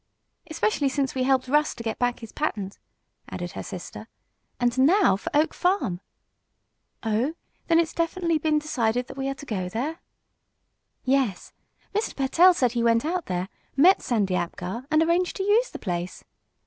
"Especially since we helped Russ to get back his patent," added her sister. "And now for Oak Farm!" "Oh, then it's been definitely decided that we are to go there?" "Yes, Mr. Pertell said he went out there, met Sandy Apgar and arranged to use the place.